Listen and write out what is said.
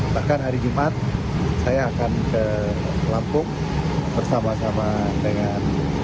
bahkan hari jumat saya akan ke lampung bersama sama dengan